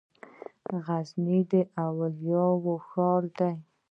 غزنی د اولیاوو ښار دی.